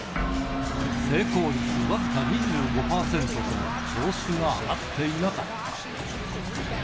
成功率僅か２５％と、調子が上がっていなかった。